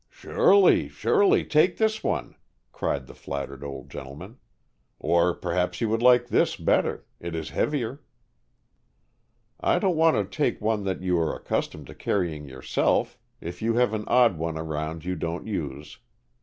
"Surely, surely. Take this one," cried the flattered old gentleman. "Or perhaps you would like this better? It is heavier." "I don't want to take one that you are accustomed to carrying yourself, if you have an odd one around you don't use.